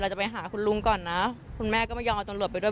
จะไปหาคุณลุงก่อนนะคุณแม่ก็ไม่ยอมเอาตำรวจไปด้วย